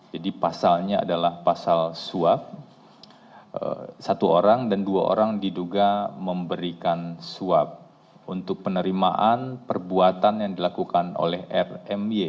jadi pasalnya adalah pasal suap satu orang dan dua orang diduga memberikan suap untuk penerimaan perbuatan yang dilakukan oleh rmy